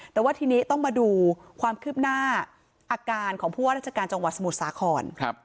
แต่ว่าทีนี้ต้องมาดูความคืบหน้าอาการของผู้ว่าราชการจังหวัดสมุทรสาคร